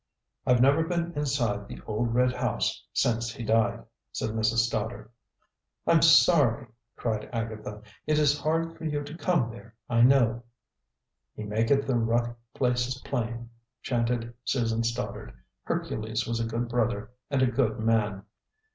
"I've never been inside the old red house since he died," said Mrs. Stoddard. "I'm sorry!" cried Agatha. "It is hard for you to come there, I know." "He maketh the rough places plain," chanted Susan Stoddard. "Hercules was a good brother and a good man!"